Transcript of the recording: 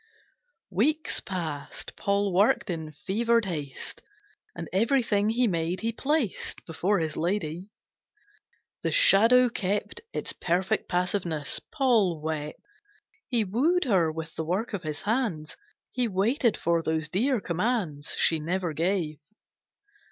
Weeks passed, Paul worked in fevered haste, And everything he made he placed Before his lady. The Shadow kept Its perfect passiveness. Paul wept. He wooed her with the work of his hands, He waited for those dear commands She never gave.